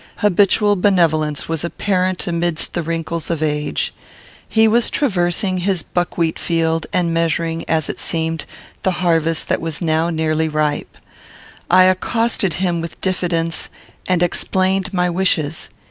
Habitual benevolence was apparent amidst the wrinkles of age. He was traversing his buckwheat field, and measuring, as it seemed, the harvest that was now nearly ripe. I accosted him with diffidence, and explained my wishes.